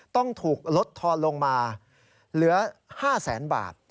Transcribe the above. ต้องถูกลดทอนลงมาเหลือ๕แสนบาท